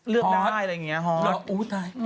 เลือกได้อะไรอย่างนี้ฮะ